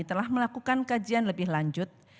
telah melakukan kajian lebih lanjut